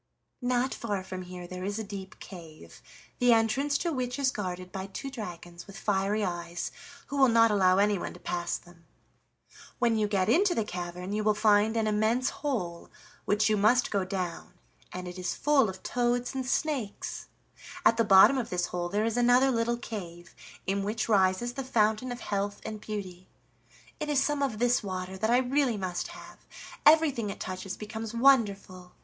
"Not far from here there is a deep cave, the entrance to which is guarded by two dragons with fiery eyes, who will not allow anyone to pass them. When you get into the cavern you will find an immense hole, which you must go down, and it is full of toads and snakes; at the bottom of this hole there is another little cave, in which rises the Fountain of Health and Beauty. It is some of this water that I really must have: everything it touches becomes wonderful.